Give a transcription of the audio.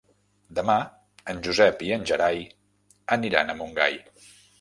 Demà en Josep i en Gerai aniran a Montgai.